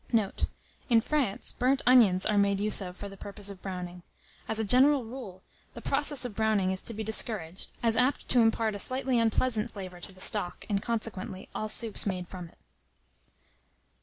Note. In France, burnt onions are made use of for the purpose of browning. As a general rule, the process of browning is to be discouraged, as apt to impart a slightly unpleasant flavour to the stock, and, consequently, all soups made from it.